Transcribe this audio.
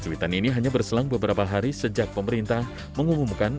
cuitan ini hanya berselang beberapa hari sejak pemerintah mengumumkan